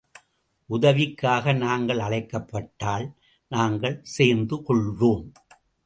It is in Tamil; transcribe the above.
உதவிக்காக நாங்கள் அழைக்கப்பட்டால், நாங்கள் சேர்ந்து கொள்வோம்.